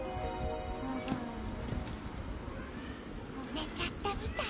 ねちゃったみたい。